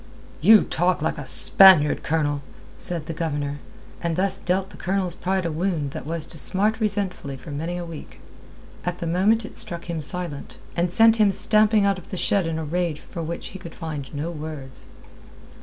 "You talk like a Spaniard, Colonel," said the Governor, and thus dealt the Colonel's pride a wound that was to smart resentfully for many a week. At the moment it struck him silent, and sent him stamping out of the shed in a rage for which he could find no words.